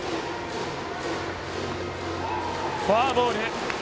フォアボール。